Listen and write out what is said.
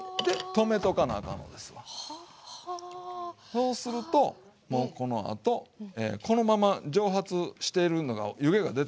そうするともうこのあとこのまま蒸発してるのが湯気が出てるでしょ。